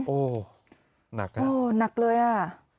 โอ้หนักนะโอ้หนักเลยอ่ะ